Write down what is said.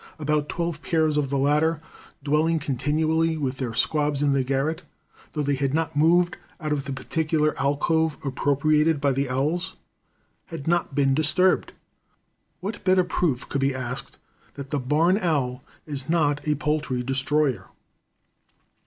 About twelve pairs of the latter, dwelling continually with their squabs in the garret, though they had not moved out of the particular alcove appropriated by the owls, had not been disturbed. What better proof could be asked that THE BARN OWL IS NOT A POULTRY DESTROYER?